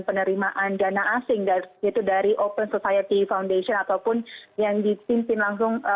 penerimaan dana asing itu dari open society foundation ataupun yang dipimpin langsung